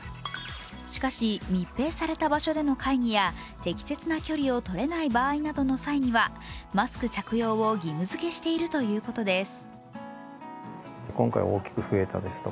しかし、密閉された場所での会議や適切な距離をとれない場合などの際にはマスク着用を義務づけしているということです。